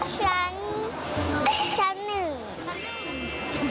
จริง